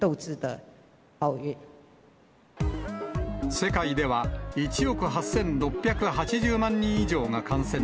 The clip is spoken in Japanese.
世界では、１億８６８０万人以上が感染。